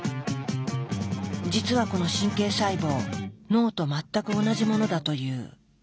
実はこの神経細胞脳と全く同じものだという。